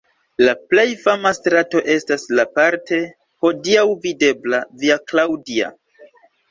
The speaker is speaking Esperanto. La plej fama strato estas la parte hodiaŭ videbla Via Claudia.